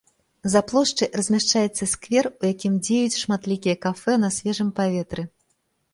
За плошчай размяшчаецца сквер, у якім дзеюць шматлікія кафэ на свежым паветры.